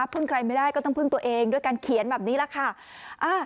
พึ่งใครไม่ได้ก็ต้องพึ่งตัวเองด้วยการเขียนแบบนี้แหละค่ะ